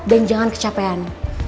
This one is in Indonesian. dan jangan kecapean